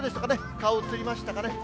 顔映りましたかね？